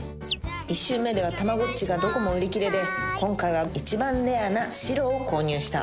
１週目ではたまごっちがどこも売り切れで今回は一番レアな白を購入した